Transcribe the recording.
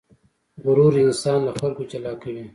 غرور انسان له خلکو جلا کوي.